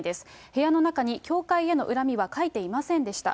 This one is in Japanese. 部屋の中に教会への恨みは書いてありませんでした。